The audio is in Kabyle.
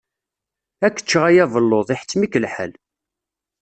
Ad k-ččeɣ a yabelluḍ, iḥettem-ik lḥal.